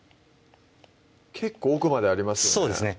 結構奥までありますよね